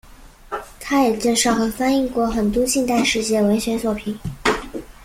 它也介绍和翻译过很多近代世界文学作品。